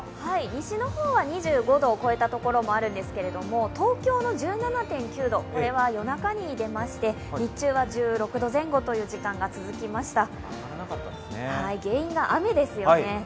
西の方は２５度を超えたところもあるんですけど東京の１７．９度、これは夜中に出まして、日中は１６度前後という時間が続きました。